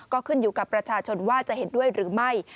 ก็ขึ้นอยู่กับประชาชนว่าจะเห็นด้วยหรือไม่